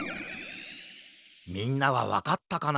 みんなはわかったかな？